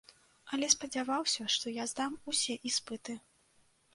Але спадзяваўся, што я здам усе іспыты.